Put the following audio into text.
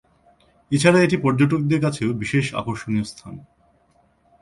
এছাড়া এটি পর্যটকদের কাছেও বিশেষ আকর্ষণীয় স্থান।